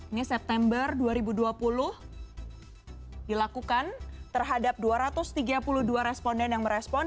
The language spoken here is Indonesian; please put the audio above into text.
ini september dua ribu dua puluh dilakukan terhadap dua ratus tiga puluh dua responden yang merespon